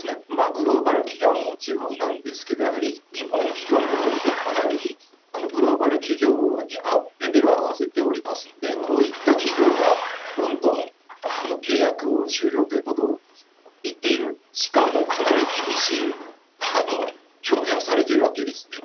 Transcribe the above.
グローバル企業はもちろんなんですけど、やはり日本企業の大手、かなりグローバル企業にレベルを合わせておりますので、こういった企業がどんどん契約を終了ということを言っている、しかもかなり厳しい表明をされているわけですね。